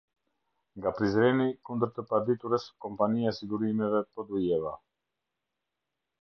Nga Prizreni, kundër të paditurës Kompania e Sigurimeve Podujeva.